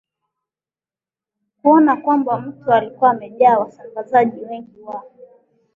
kuona kwamba mtu alikuwa amejaa wasambazaji wengi wa